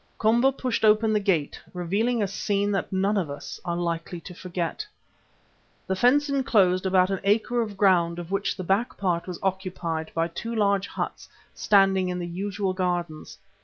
Komba pushed open the gate, revealing a scene that none of us are likely to forget. The fence enclosed about an acre of ground of which the back part was occupied by two large huts standing in the usual gardens.